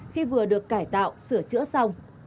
khi vừa được cải tạo sửa chữa xong